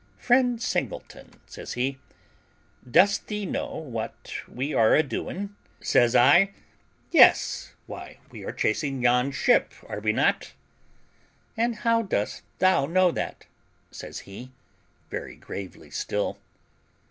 "Friend Singleton," says he, "dost thee know what we are a doing?" Says I, "Yes; why, we are chasing yon ship, are we not?" "And how dost thou know that?" says he, very gravely still.